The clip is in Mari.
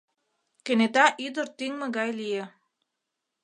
Кенета ӱдыр тӱҥмӧ гай лие.